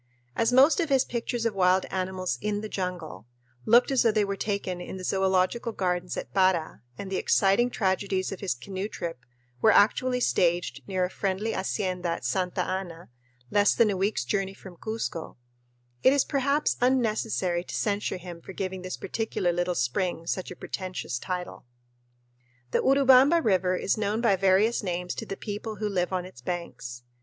As most of his pictures of wild animals "in the jungle" looked as though they were taken in the zoölogical gardens at Para, and the exciting tragedies of his canoe trip were actually staged near a friendly hacienda at Santa Ana, less than a week's journey from Cuzco, it is perhaps unnecessary to censure him for giving this particular little spring such a pretentious title. The Urubamba River is known by various names to the people who live on its banks.